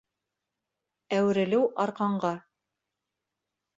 Әүерелеү арҡанға.